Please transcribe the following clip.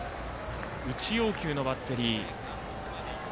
内要求のバッテリー。